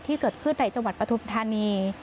ที่เกิดขึ้นในจังหวัดปฐุมธานี